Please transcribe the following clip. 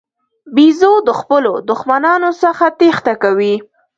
بیزو د خپلو دښمنانو څخه تېښته کوي.